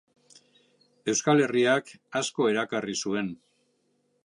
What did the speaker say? Euskal Herriak asko erakarri zuen.